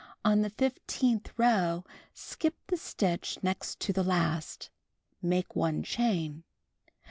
On the fifteenth row, skip the stitch next to the last. Make 1 chain.